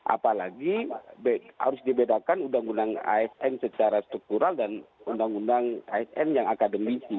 apalagi harus dibedakan undang undang asn secara struktural dan undang undang asn yang akademisi